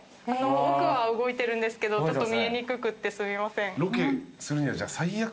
奥は動いてるんですけどちょっと見えにくくってすみません。